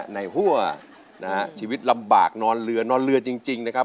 หัวนะฮะชีวิตลำบากนอนเรือนอนเรือจริงนะครับ